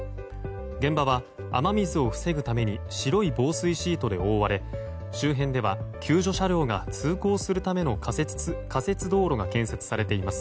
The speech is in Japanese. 現場は、雨水を防ぐために白い防水シートで覆われ周辺では救助車両が通行するための仮設道路が建設されています。